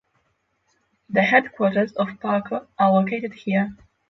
The headquarters of Parco are located here.